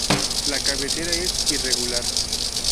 La cabecera es irregular.